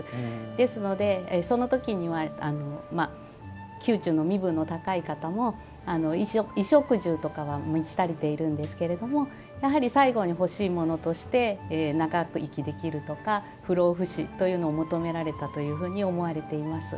ですので、その時には宮中の身分の高い方も衣食住とかは満ち足りているんですけどやはり、最後に欲しいものとして長生きできるとか不老不死というのを求められたというふうに思われています。